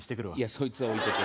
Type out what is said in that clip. そいつは置いてけ